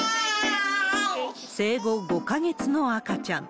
生後５か月の赤ちゃん。